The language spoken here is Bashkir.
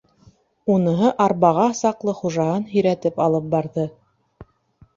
Уныһы арбаға саҡлы хужаһын һөйрәтеп алып барҙы.